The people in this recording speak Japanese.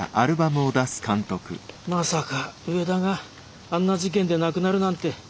まさか上田があんな事件で亡くなるなんて。